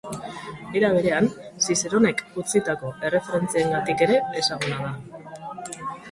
Era berean, Zizeronek utzitako erreferentziengatik ere ezaguna da.